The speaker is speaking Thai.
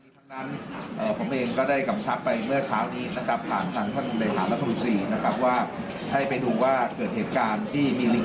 เอาให้การเข้าให้คุมภาพราชนิกเสบที่ปฏิบัติ